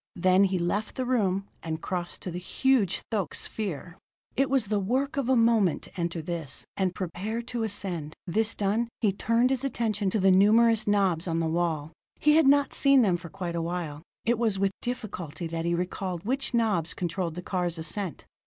Then he left the room, and crossed to the huge thoque sphere. It was the work of a moment to enter this, and prepare to ascend. This done, he turned his attention to the numerous knobs on the wall. He had not seen them for quite a while; it was with difficulty that he recalled which knobs controlled the car's ascent.